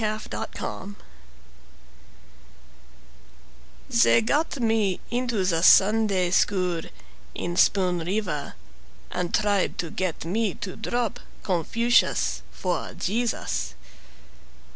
Yee Bow They got me into the Sunday school In Spoon River And tried to get me to drop Confucius for Jesus.